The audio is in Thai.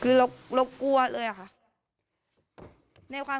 คือเรากลัวเลยอะค่ะ